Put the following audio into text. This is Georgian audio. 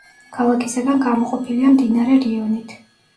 ქალაქისაგან გამოყოფილია მდინარე რიონით.